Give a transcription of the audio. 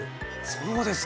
そうですか！